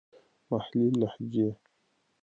محلې لهجې.